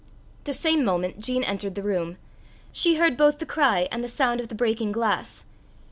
The same moment Jean entered the room. She heard both the cry and the sound of the breaking glass.